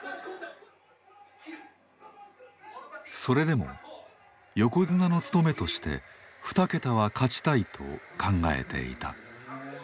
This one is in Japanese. それでも横綱の務めとして二桁は勝ちたいと考えていた。